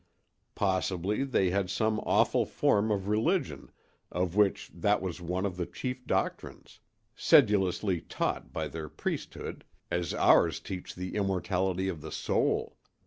Possibly they had some awful form of religion of which that was one of the chief doctrines, sedulously taught by their priesthood, as ours teach the immortality of the soul.